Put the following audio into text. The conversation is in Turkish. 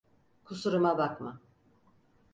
Kusuruma bakma.